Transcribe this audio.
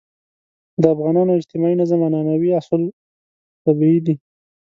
د افغانانو اجتماعي نظم عنعنوي اصول طبیعي دي.